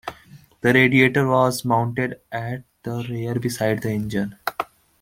The radiator was mounted at the rear beside the engine.